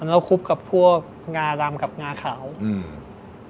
อันนั้นเราคุบกับพวกงาดำกับงาขาวอืม